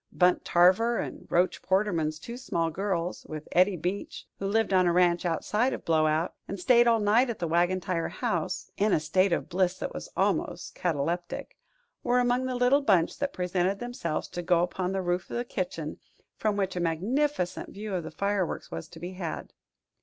Bunt Tarver and Roach Porterman's two small girls, with Eddie Beach, who lived on a ranch outside of Blowout and stayed all night at the Wagon Tire House (in a state of bliss that was almost cataleptic), were among the little bunch that presented themselves to go upon the roof of the kitchen, from which a magnificent view of the fireworks was to be had.